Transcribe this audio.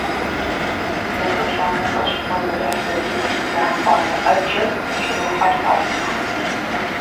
ЕтӀощӀанэ лӀэщӀыгъуэ зэрыхьзэрийм и архъуанэ Ӏэджэм ущрохьэлӀэ а цӀыхум.